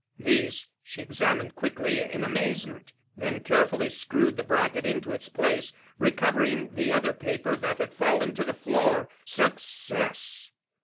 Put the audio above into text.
These she examined quickly in amazement, then carefully screwed the bracket into its place, recovering the other paper that had fallen to the floor—success!